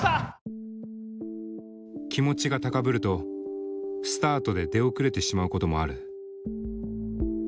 気持ちが高ぶるとスタートで出遅れてしまうこともある。